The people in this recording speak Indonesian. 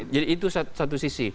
jadi itu satu sisi